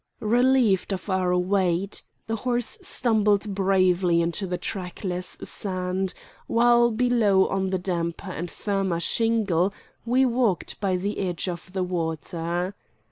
Relieved of our weight, the horse stumbled bravely into the trackless sand, while below on the damper and firmer shingle we walked by the edge of the water.